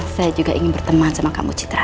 saya juga ingin berteman sama kamu citra